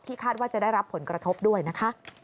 คาดว่าจะได้รับผลกระทบด้วยนะคะ